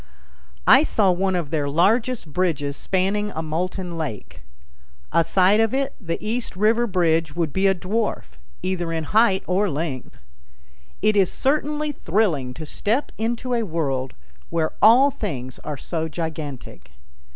I saw one of their largest bridges spanning a molten lake. Aside of it the East River bridge would be a dwarf, either in height or length. It is certainly thrilling to step into a world where all things are so gigantic.